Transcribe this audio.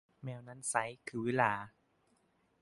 แมวนั้นไซร้ คือวิฬาร์